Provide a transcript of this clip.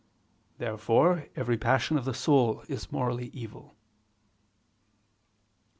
Therefore every passion of the soul is evil morally. Obj.